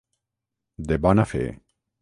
De bona fe.